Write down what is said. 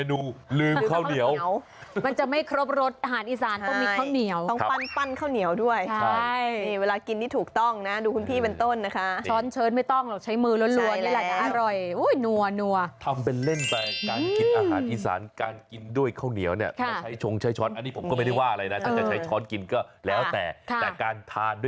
มือเนี่ยมันมันจริงมันอร่อยด้วยเพราะทานปั๊บผักแก้มส้มตำตาม